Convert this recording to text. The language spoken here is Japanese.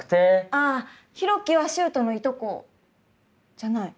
ああ浩暉は秀斗のいとこじゃない。